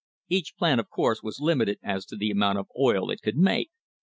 Each plant, of course, was limited as to the amount of oil it could make.